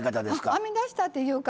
編み出したっていうか